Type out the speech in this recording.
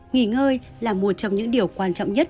nghỉ ngơi là một trong những điều quan trọng nhất